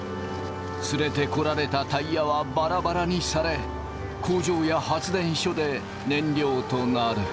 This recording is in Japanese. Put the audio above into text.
連れてこられたタイヤはバラバラにされ工場や発電所で燃料となる。